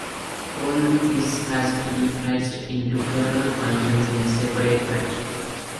All this has to be patched into kernel functions in a separate patch.